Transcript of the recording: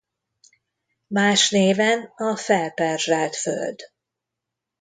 Más néven a Felperzselt Föld.